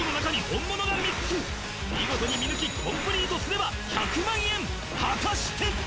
見事に見抜きコンプリートすれば１００万円果たして？